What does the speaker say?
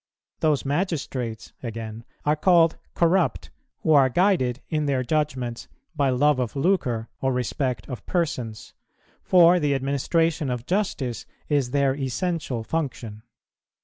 Those magistrates, again, are called "corrupt," who are guided in their judgments by love of lucre or respect of persons, for the administration of justice is their essential function.